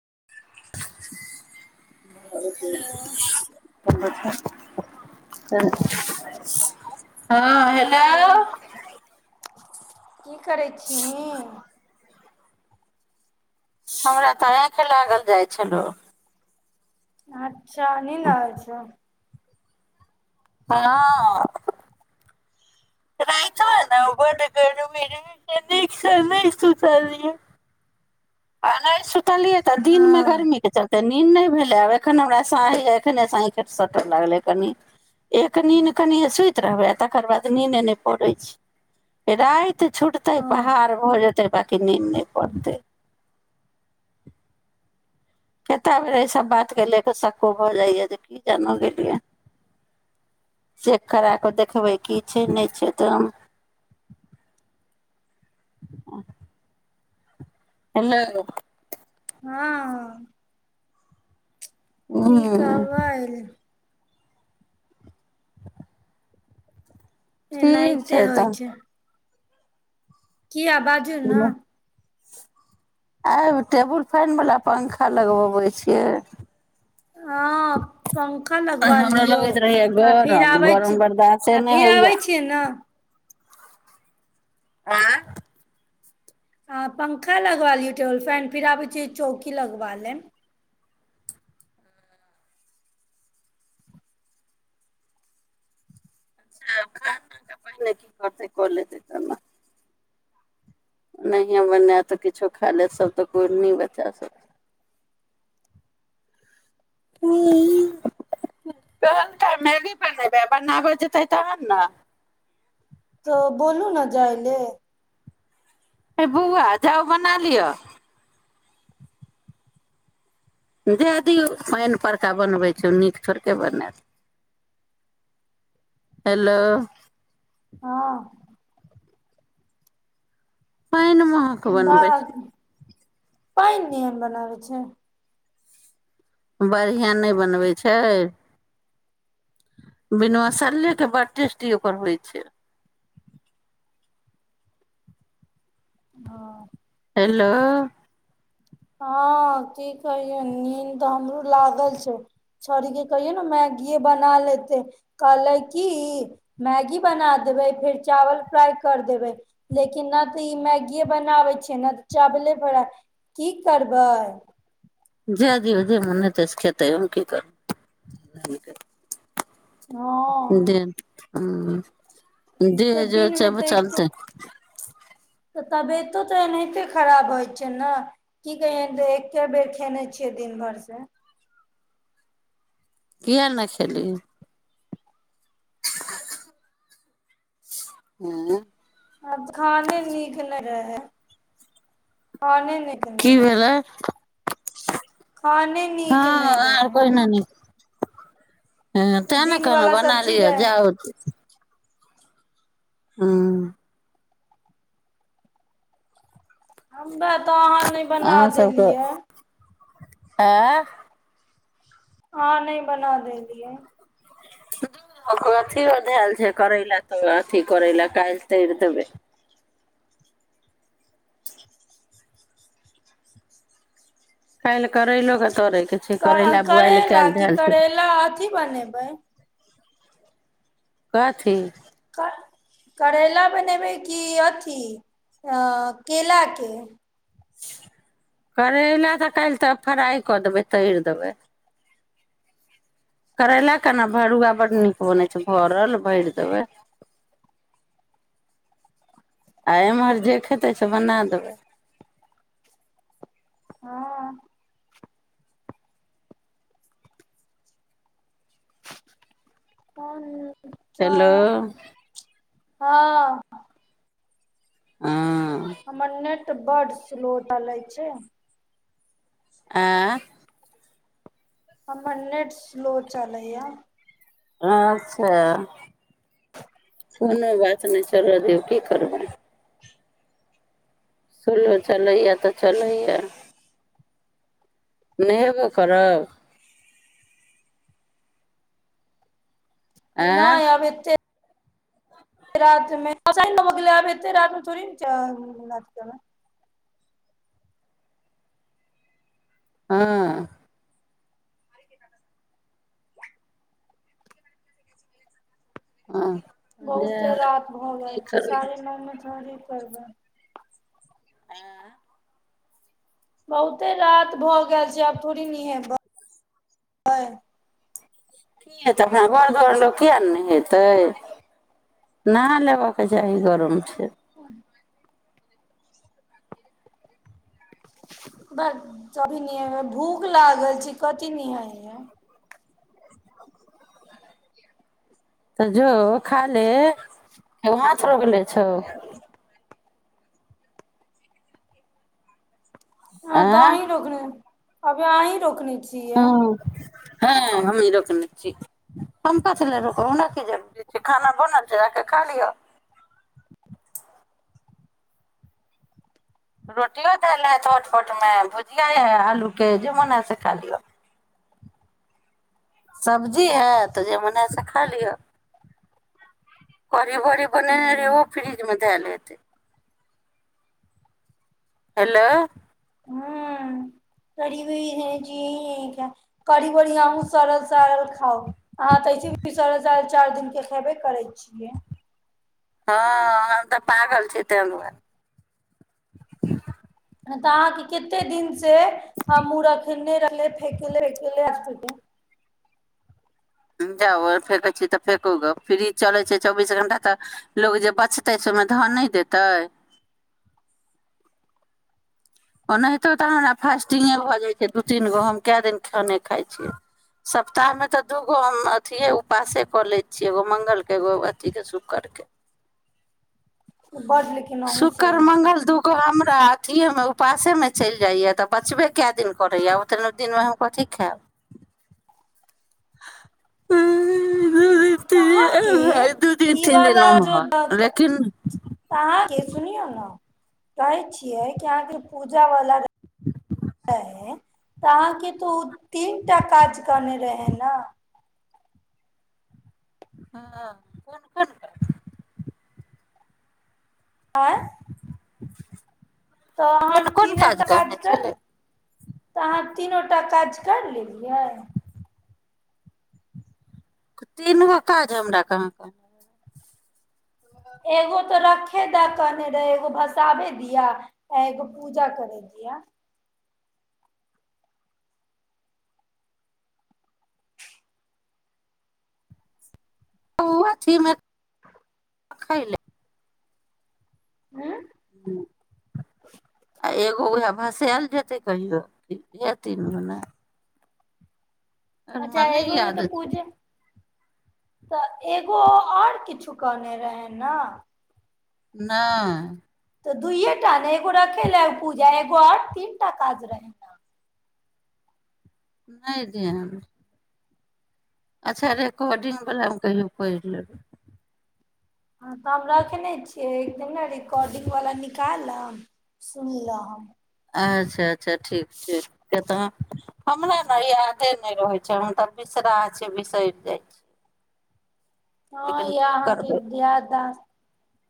[unintelligible] [unintelligible] Hello [unintelligible] हँ hello की करै छी हीं हमरा तऽ आके लागल जाइ छलौ आ छान ने होै छै हँ त त ह्म करो मेर भ नहि एक साल नहि इ सुू स आ नहि सु लिये तऽ दिन मे हँ गर्मी के चलते नीद नहि भेलै आब एखन हमरा साँइ एखने साँ ख सटय लागलै कनि एक नीद कनिए सुति रहबै आ तकर बाद नीदे नहि पड़ै छै राति छूटतै ओ पहहार भऽ जेतै बाँकी नीन्द नहि पड़तै कतेक बेर एहिसभ बातके लए कऽ सक्को भऽ जाइए जे की जान गेलियै चेक करा कऽ देखबै की छै नहि छै तो आ एना हँ हूँ ठीकबल ठीक एनाहिते होइ तऽ छै किया बाजू ने आ टेबुल फैन वला पंखा लगबबै छियै हँ पंखा लगवा हमरा लियौ लगैत रहैया आ फेर गरम आबै गरम बर्दाश्ते आ नहि फेर होइया आबै छियै ने आँ आ पंखा लगवा लियौ टेबल फैन फिर आबै छै। चौकी लगवा ले चा खाना त पहिने की करतै कऽ लेतै तब ने नहियए बनायत तऽ किछो खा लेत सभ तऽ कोइ नहि बचा सक ह कहल त मैगी बनेबै बनाबऽ जेतै तहन ने तऽ बोलू ने जाइ ले हे बौआ जाउ बना लिअ जे दियौ पानि परका बनबै छै नीक छोड़ि कऽ बनायब हेलो हँ पहिन अहाँ के बनबै छै पइ इडियन बनाब छै बढ़िआँ नहि बनबै छै बिन मसलै के बड़ टेस्टी ओकर होइ छै ओ हेलो हँ की कहियौ नीन्द तऽ हमरो लागल छै छड़ीके कहियौ ने मैगीए बना लेतै कहलै कि मैगी बना देबै फेर चावल फ्राइ करि देबै लेकिन नहि तऽ ई मैगीए बनाबै छियै नहि तऽ चावले फ्राइ की करबै जा दी हो जे मने तस खेता ह की करू हँ दे ह तऽ देहेज दिनमे छैब तऽ एके चलतै तऽ तबियतो तऽ एनाहिते खराब होइ छै ने की कहियै एके बेर खयने छियै दिन भरि सँ किए नहि खेली हँ अब खाने नीक नै रहै खाना निक की नै रहे भेलै खाने हँ नीक नै आर रहे कोहिना नहि हँ तऽ तेँ ने कहलहु दिनवला बना सब्जी लिह रहै जाउत हँ हमरा तऽ अहाँ नहि बना देलियै आँ आहाँ नहि बना देलिये अथियओ धल छै करै लए तऽ अथी करै लए काल्हि तर देबै काइल करैलो के तरै के छै करैला बुआइल करैला काल्हि की धयल छै करैला अथी बनेबै कथी करैला बनेबै कि अथि अ केला के करैला तऽ काल्हि तऽ फ्राइ कऽ देबै तैर देबै करै केना भरुआ बड नीक बनै छै भरल भरि देबै आ एम्हर जे खेतै से बना देबै हँ कोन हेलो हँ ह हमर नेट नेट बड स्लो चलै छै आ हमर नेट सोलो चलैया अच्छा कोनो बात नहि चलऽ दियौ की करबै सोलो चलैए तऽ चलैए नहेबे करब आँ नहि अब एते [unintelligible] मे आब एते रात मे थोड़ी नच हँ हँ जे बहुते रात भऽ गेल की छै करबै साढ़े की नओ मे थोड़े करबै आँ बहुते रात भऽ गेल छै आब थोड़ी नहै की हेतै अपना घर दुर लोक कििया नहि ने हेतै नहा लेबय के चाही गरम छै ब कभी न भूख लागल छै। कथ नह है त जो ख ले छ ह आँय तह रोकने अब यहाँ ही रोकनी ह हँ हमी रोकने छीम का छल र ओरा की द खाना बनल छै। र ख लियौ रोटियो द ले छोट फोट मे भुजिया है आलूके जे मोन है से खा लियो सब्जी है तऽ जे मन ह से खा लिअ की ब बने ओ फ्रिज म त लेतै हेलो करीबी ज करीब बड़ी अहूँ सड़ल सड़ल खाउ अहाँ तऽ ऐसे भी सड़ल सारल चारि दिनके खेबे करै छियै हँ हम तऽ पागल छी त दुआर [inaudible] तऽ अहाँके कते दिन से हमूँ रखनेे फेकेे फेले कत जाउ फँकै छी तऽ फेककू ग फ्री चलै छै। चौबीस घण्टा तऽ लोक जे बचतै से ओहिमे धन नहि देतै ओ ओनाहितो तऽ हमरा फास्टिंगे भऽ जाइ छै दू तीन गो हम कए दिन खाने खाइ छियै सप्ताहमे तऽ दू गो हम अथिए उपवासे कऽ लै छियै एगो मङ्गलके एगो अथीके शुक्रके बड लेकिन अहूँ शुक्र सही छै मंगल दुूग रा अथिएमे उपासेमे चलि जाइए तऽ बचबे कए दिन करैए ओतना दिनमे हम कथी खायब ह अहाँके दिन ई तीन वाल दिन ओम्हर लेकिन अहाँके सुनियौ ने कहै छियै जे अहाँके पूजावला रहै तऽ अहाँके तऽ ओ तीनटा काज रहने रहै ने। हँ कोन कोन कर आँ अ तऽ अहाँ तीनो टक द कर छलै तऽ अहाँ तीनो टा काज करि लेलियै तीन गो काज हमरा कहाँ कहने छैक एगो तऽ रखे दऽ कहने रहै एगो भसाबे दिया आ एगो पूजा करे दिया उ अथीमे आखाइल हँ ह आ एगो उएह भसायल जेतै कहियो कि इएह तीन गो नहि अच्छा हमरा एगोे तऽ याद छै पूजा तऽ एगो आओर किछु कने रहै ने नहि तऽ दुइएटा ने एगो रखेले पूजा एगो आओर तीन टा काज रहै न नहि ध्यान हइ अच्छा रेकॉर्डिंग वलामे कहियो पढ़ि लेबै हँ तऽ हम रखने छियै एकदिन ने रिकॉर्डिंग वला निकालम सुनिलहम अच्छा अच्छा ठीक ठीक किये तऽ हमरा ने यादे नहि रहै हम तऽ बिसराह छियै बिसरि जाइ छियै हँ येह अहाँके दियाद बाद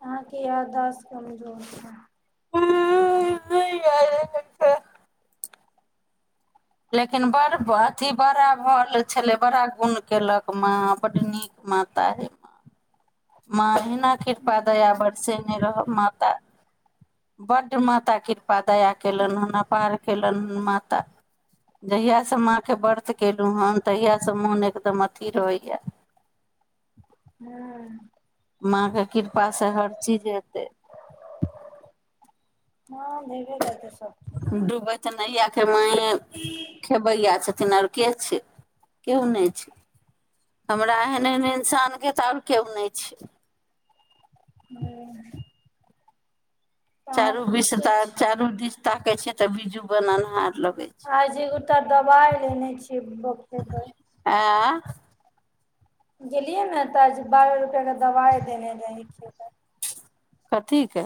अहाँके यादाश्त कमजोर छै ओ नहि आइयो मिलतै लेकिन बड़ अथी बड़ा भल छेलै बड़ा गुण केलक माँ बड्ड नीक माता हे माँ माँ अहिन ना कृपा दया बरसेने रहब माता बड्ड माता कृपा पा दया केलनि हन नेपाल के लोक माता जहियासँ माँके व्रत केलहु हन तहिया सँ मोन एकदम अथी रहैये हँ माँके कृपासँ हर चीज एतै हँ हेबे करतै सब चीज त नइया केँ माइ खेबैया छथिन आओर के छै क्यो नहि छै हमरा एहन एहन इंसान केँ सान केओ नहि छै हँ चारू तहन विस्तार छै चारू दिस ताकै छी तऽ बिजू बन हनहार लगै छै आजी उ तऽ दबाइ लेने छियै देखेबै ऐं गेलियै ने तऽ आज बारह रुपया केर दबाइ देने रहै खेबै कथी के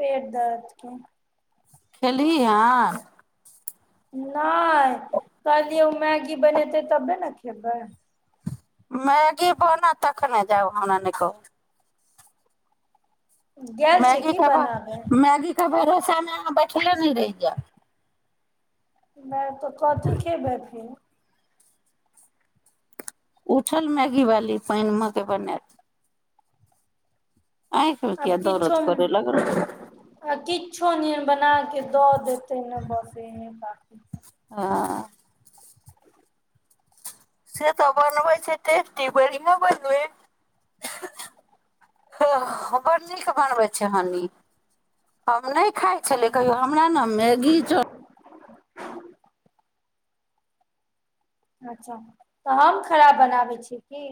पेट दर्दकेँ खेलही हन नहि कहलियै ओ मैगी बनेतै तबे न खेबै मैगी बनत तखन नऽ जेब हमरा नहि कहू गेल छै मैगी की बनाबै खेबहक मैगी केँ भरोसामे अहाँ बैठले नहि रहि जाएब नहि तऽ कथी खेबै फेर उठल मैगी वाली पानिमे केँ बनैत आँखिमे किये आब दरद किछो करे लगलौ आ किछो नहि बना के द देतय ने बस इहे बाकी [inaudible] से तऽ बनबै छै टेस्टी बढ़िया बनबय बर नीक बनबै छैय हनी, हम नि खाइ छलीयै कहियौ हमरा ने मैगी चौ अच्छा तऽ हम खराब बनाबै छीयै की?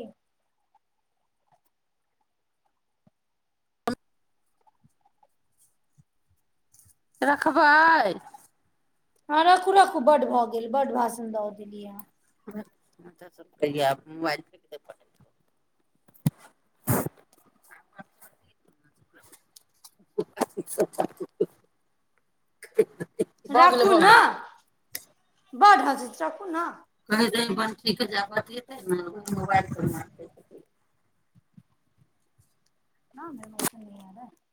रखबै हँ राखू राखू बड भऽ गेल बड भाषण दऽ देलीयै आँ। हां [unintelligible] राखू ने। बड हँसै छी राखू ने। रहै बंटी के जे आब बतियेतै ने मोबाइल पर मारतै [unintelligible]